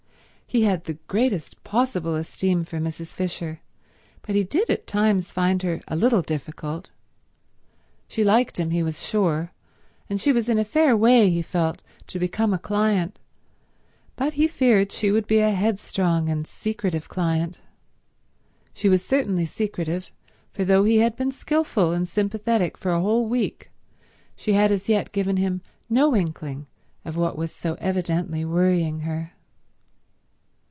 He had the greatest possible esteem for Mrs. Fisher, but he did at times find her a little difficult. She liked him, he was sure, and she was in a fair way, he felt, to become a client, but he feared she would be a headstrong and secretive client. She was certainly secretive, for though he had been skilful and sympathetic for a whole week, she had as yet given him no inkling of what was so evidently worrying her.